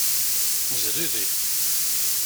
Nezriri.